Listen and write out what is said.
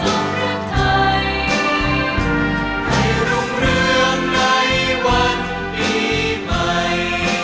ขอบความจากฝ่าให้บรรดาดวงคันสุขสิทธิ์